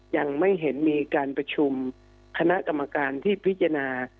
ยังไม่เห็นมีการประชุมคณะกรรมการที่พิจารณา